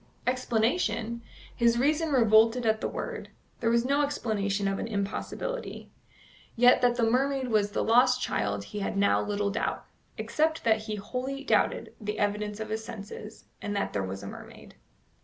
Explanation? His reason revolted at the word. There was no explanation of an impossibility. Yet that the mermaid was the lost child he had now little doubt, except that he wholly doubted the evidence of his senses, and that there was a mermaid.